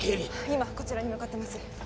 今こちらに向かってます